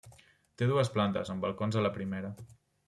Té dues plantes, amb balcons a la primera.